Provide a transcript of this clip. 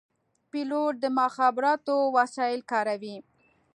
پیلوټ د مخابراتو وسایل کاروي.